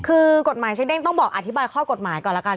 คือกฎหมายเช็คเด้งต้องบอกอธิบายข้อกฎหมายก่อนละกัน